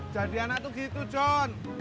jadi anak tuh gitu john